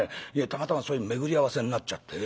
たまたまそういう巡り合わせになっちゃって。